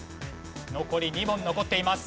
残り２問残っています。